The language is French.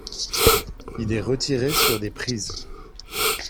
Il est retiré sur des prises.